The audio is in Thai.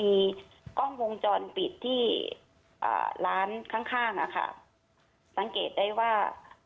มีกล้องวงจรปิดที่ร้านข้างข้างอะค่ะสังเกตได้ว่า